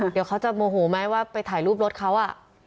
เดี๋ยวเขาจะโมโหไหมว่าไปถ่ายรูปรถเขา